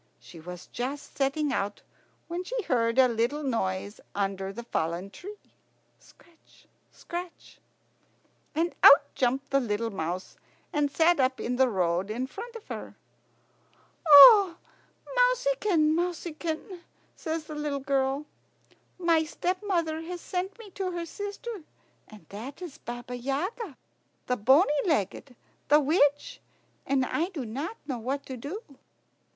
She was just setting out when she heard a little noise under the fallen tree. "Scratch scratch." And out jumped the little mouse, and sat up in the road in front of her. "O mouseykin, mouseykin," says the little girl, "my stepmother has sent me to her sister. And that is Baba Yaga, the bony legged, the witch, and I do not know what to do."